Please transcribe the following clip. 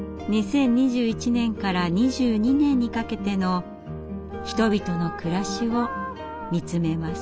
２０２１年から２２年にかけての人々の暮らしを見つめます。